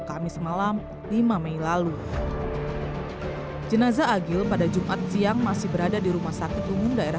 kamis malam lima mei lalu jenazah agil pada jumat siang masih berada di rumah sakit umum daerah